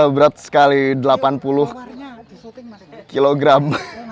berat sekali delapan puluh kilogram